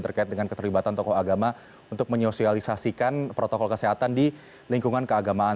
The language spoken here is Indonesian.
terkait dengan keterlibatan tokoh agama untuk menyosialisasikan protokol kesehatan di lingkungan keagamaan